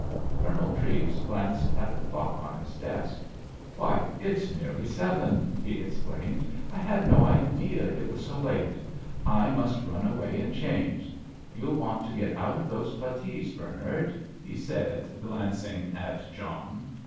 Colonel Treves glanced at the clock on his desk. "Why, it's nearly seven!" he exclaimed. "I had no idea it was so late. I must run away and change. You'll want to get out of those puttees, Bernard," he said, glancing at John.